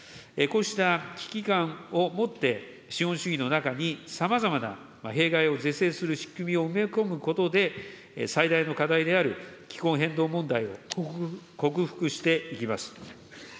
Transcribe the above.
こうした危機感を持って、資本主義の中にさまざまな弊害を是正する仕組みを埋め込むことで、最大の課題である気候変動問題を克服していきます。